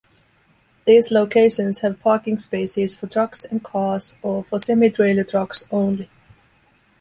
These locations have parking spaces for trucks and cars, or for semi-trailer trucks only.